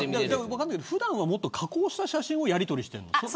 普段は、もっと加工した写真をやりとりしてるのかな。